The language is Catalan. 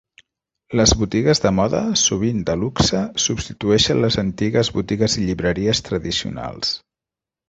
Les botigues de moda, sovint de luxe, substitueixen les antigues botigues i llibreries tradicionals.